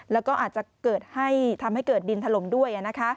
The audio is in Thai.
แล้วก็อาจจะทำให้เกิดดินถล่มด้วย